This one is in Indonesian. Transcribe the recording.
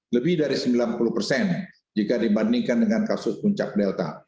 lebih dari sembilan puluh persen jika dibandingkan dengan kasus puncak delta